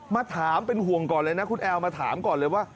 มาถามเป็นห่วงก่อนเลยนะคุณแอลมาถามก่อนเลยว่า